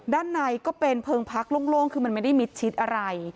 ด้านในก็เป็นเพลิงพักโล่งคือมันไม่ได้มิดชิดอะไร